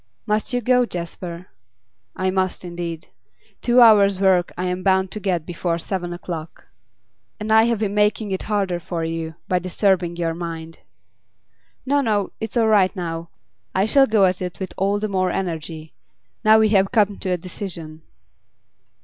Must you go, Jasper?' 'I must indeed. Two hours' work I am bound to get before seven o'clock.' 'And I have been making it harder for you, by disturbing your mind.' 'No, no; it's all right now. I shall go at it with all the more energy, now we have come to a decision.